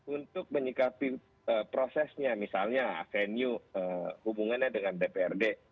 untuk menyikapi prosesnya misalnya venue hubungannya dengan dprd